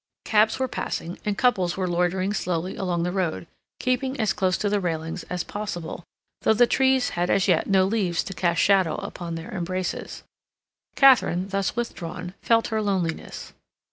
Cabs were passing, and couples were loitering slowly along the road, keeping as close to the railings as possible, though the trees had as yet no leaves to cast shadow upon their embraces. Katharine, thus withdrawn, felt her loneliness.